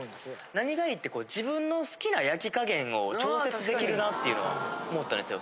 何が良いって自分の好きな焼き加減を調節できるなっていうのは思ったんですよ。